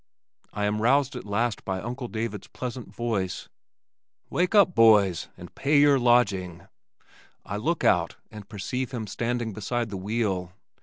I am roused at last by Uncle David's pleasant voice, "Wake up, boys, and pay y'r lodging!" I look out and perceive him standing beside the wheel.